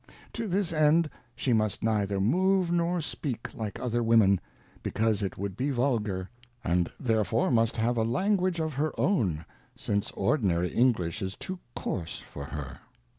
To this end she must neither move nor speak like other Women, because it would be vulgar ; and therefore must have a Language of her own, since ordinary English is too coarse for her.